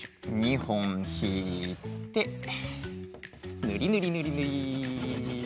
２ほんひいてぬりぬりぬりぬり。